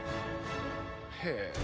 へえ。